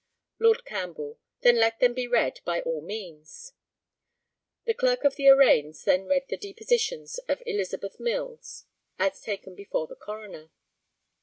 Lord CAMPBELL: Then let them be read, by all means. The Clerk of Arraigns then read the depositions of Elizabeth Mills, as taken before the coroner.